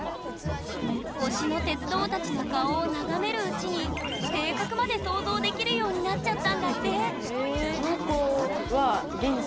推しの鉄道たちの顔を眺めるうちにできるようになっちゃったんだって！